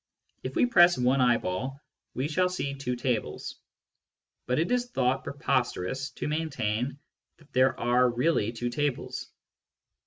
If we press one eyeball, we shall see two tables ; but it is thought preposterous to maintain that there are really" two tables.